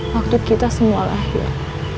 waktu kita semua lahir